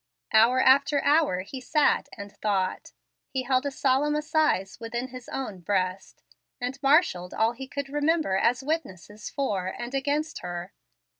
Hour after hour he sat and thought. He held a solemn assize within his own breast, and marshalled all he could remember as witnesses for and against her.